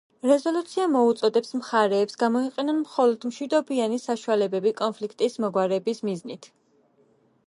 რეზოლუცია მოუწოდებს მხარეებს გამოიყენონ მხოლოდ მშვიდობიანი საშუალებები კონფლიქტის მოგვარების მიზნით.